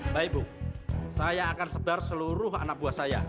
baik ibu saya akan sebar seluruh anak buah saya